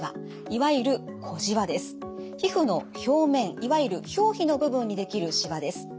いわゆる皮膚の表面いわゆる表皮の部分にできるしわです。